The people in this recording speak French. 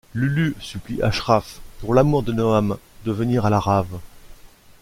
Lulu supplie Ashraf, pour l'amour de Noam, de venir à la rave.